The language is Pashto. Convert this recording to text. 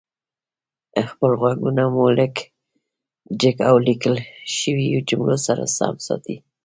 خپل غږونه مو لږ جګ او ليکل شويو جملو سره سم ساتئ